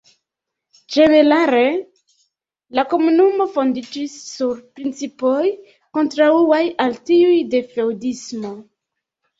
Ĝenerale la Komunumo fondiĝis sur principoj kontraŭaj al tiuj de feŭdismo.